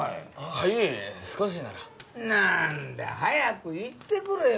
はい少しなら何だ早く言ってくれよ